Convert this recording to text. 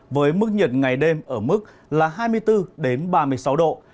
với mức nhiệt ngày đêm ở mức là hai mươi bốn ba mươi sáu độ